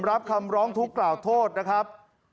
รับคำร้องทุกข์กล่าวโทษนะครับ